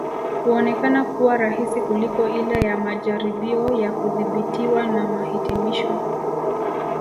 Huonekana kuwa rahisi kuliko ile ya majaribio ya kudhibitiwa na mahitimisho